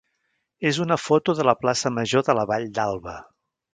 és una foto de la plaça major de la Vall d'Alba.